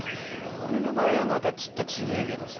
俺の場合はまたちっと違えけどさ。